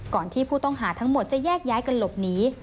ก่อนที่ผู้ต้องหาทั้งหมดจะแยกย้ายกันหลบหนี